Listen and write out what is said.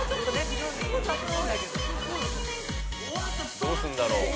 どうすんだろう？